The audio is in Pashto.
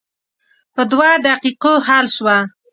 په دوه دقیقو حل شوه.